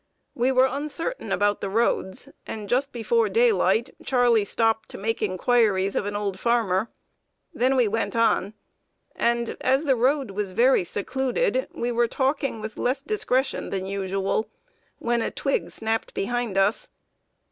We were uncertain about the roads, and just before daylight Charley stopped to make inquiries of an old farmer. Then we went on, and, as the road was very secluded, were talking with less discretion than usual, when a twig snapped behind us.